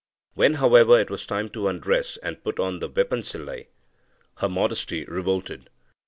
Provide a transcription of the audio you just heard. When, however, it was time to undress and put on the vepansilai, her modesty revolted.